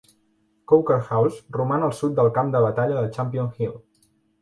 Coker House roman al sud del camp de batalla de Champion Hill.